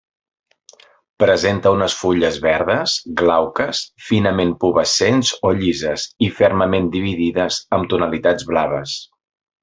Presenta unes fulles verdes, glauques, finament pubescents o llises i fermament dividides, amb tonalitats blaves.